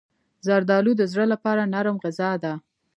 زردالو د زړه لپاره نرم غذا ده.